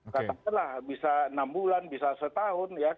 katakanlah bisa enam bulan bisa setahun